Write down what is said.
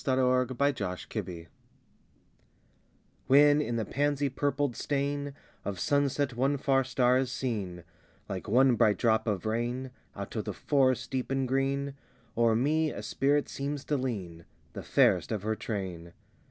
THE WORLD OF FAERY I When in the pansy purpled stain Of sunset one far star is seen, Like one bright drop of rain, Out of the forest, deep and green, O'er me a Spirit seems to lean, The fairest of her train.